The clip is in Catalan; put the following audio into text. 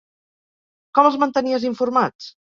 Com els mantenies informats?